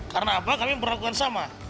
karena apa kami melakukan sama